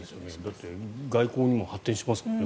だって外交にも発展しますもんね